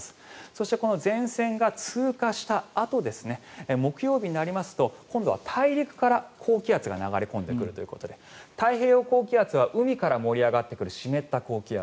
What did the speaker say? そしてこの前線が通過したあと木曜日になりますと今度は大陸から高気圧が流れ込んでくるということで太平洋高気圧は海から盛り上がってくる湿った高気圧。